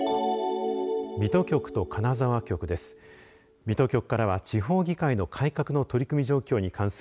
水戸局と金沢局です。